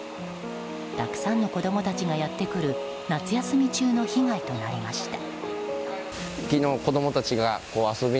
たくさんの子供たちがやってくる夏休み中の被害となりました。